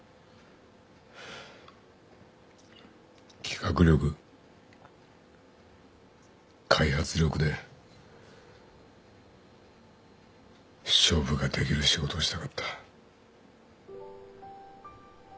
企画力開発力で勝負ができる仕事をしたかった。